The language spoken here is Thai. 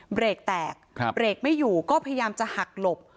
เบรกแตกเบรกไม่อยู่ก็พยายามจะหักหลบ